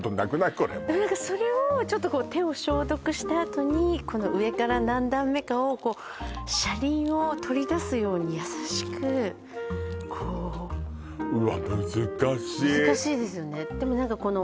これだからそれをちょっと手を消毒したあとにこの上から何段目かを車輪を取り出すように優しくこううわ難しい難しいですよね